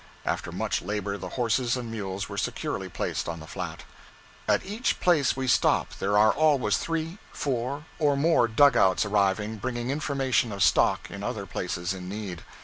After much labor the horses and mules were securely placed on the flat. At each place we stop there are always three, four, or more dug outs arriving, bringing information of stock in other places in need.